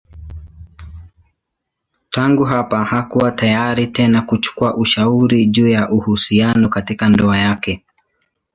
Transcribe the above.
Tangu hapa hakuwa tayari tena kuchukua ushauri juu ya uhusiano katika ndoa yake.